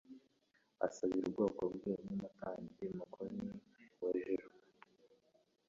Asabira ubwoko bwe nk'Umutambyi mukunl wejejwe,